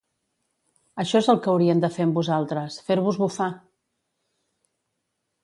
Això és el que haurien de fer amb vosaltres, fer-vos bufar!